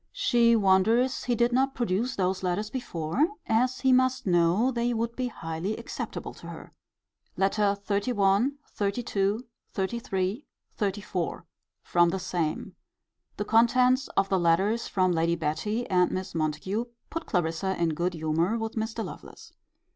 She wonders he did not produce those letters before, as he must know they would be highly acceptable to her. LETTER XXXI. XXXII. XXXIII. XXXIV. From the same. The contents of the letters from Lady Betty and Miss Montague put Clarissa in good humour with Mr. Lovelace.